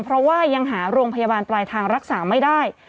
เพราะว่ายังหาโรงพยาบาลปลายทางรักษาไม่ได้